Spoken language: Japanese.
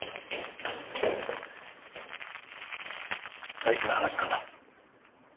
大事な話なんだ。